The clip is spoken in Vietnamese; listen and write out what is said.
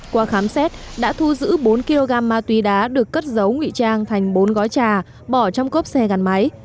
qua khám xét đã thu giữ bốn kg ma túy đá được cất giấu nguy trang thành bốn gói trà bỏ trong cốp xe gắn máy